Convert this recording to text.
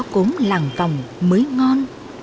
láng compressed làng cộng mới ngon mới nổi tiếng